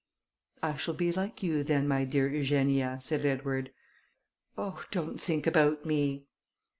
"I shall be like you then, my dear Eugenia," said Edward. "Oh, don't think about me."